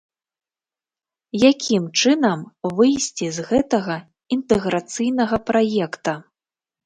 Якім чынам выйсці з гэтага інтэграцыйнага праекта?